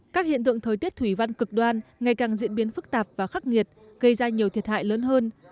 các hiện tượng thời tiết thủy văn cực đoan ngày càng diễn biến phức tạp và khắc nghiệt gây ra nhiều thiệt hại lớn hơn